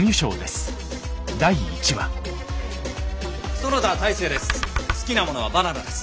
園田大勢です。